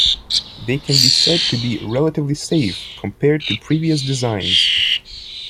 They can be said to be "relatively safe" compared to previous designs.